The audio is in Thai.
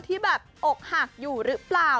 ที่แบบอกหักอยู่หรือเปล่า